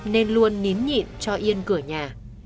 nên luôn nín nhịn cho yên cửa nhà